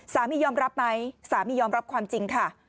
สามียอมรับไหมสามียอมรับความจริงค่ะ